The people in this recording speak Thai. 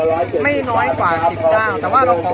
สวัสดีครับทุกคนวันนี้เกิดขึ้นทุกวันนี้นะครับ